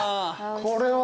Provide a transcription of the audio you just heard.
これは。